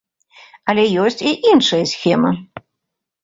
Але ёсць і іншая схема.